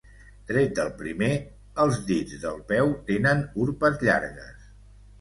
Tret del primer, els dits del peu tenen urpes llargues.